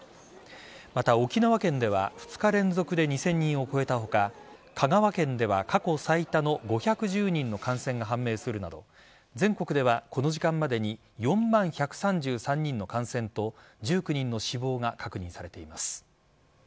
また、沖縄県では２日連続で２０００人を超えた他香川県では過去最多の５１０人の感染が判明するなど全国ではこの時間までに４万１３３人の感染と１９人の死亡が確認されています。